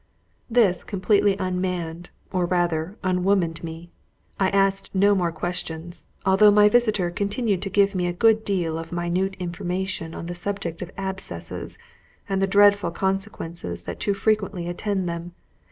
This completely unmanned, or, rather, unwomanned me. I asked no more questions, although my visitor continued to give me a good deal of minute information on the subject of abscesses, and the dreadful consequences that too frequently attended them.